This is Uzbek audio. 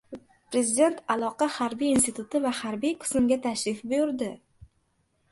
Prezident aloqa harbiy instituti va harbiy qismga tashrif buyurdi